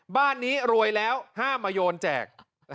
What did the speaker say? บ้านนี้รวยแล้วห้ามมาโยนแจก